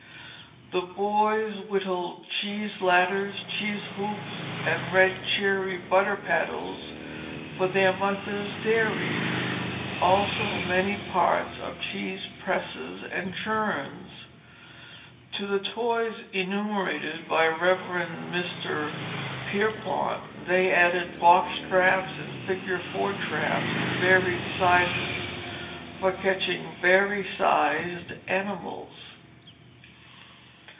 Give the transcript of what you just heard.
The boys whittled cheese ladders, cheese hoops, and red cherry butter paddles for their mothers' dairy; also many parts of cheese presses and churns. To the toys enumerated by Rev. Mr. Pierpont, they added box traps and "figure 4" traps of various sizes for catching vari sized animals.